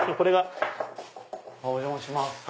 お邪魔します。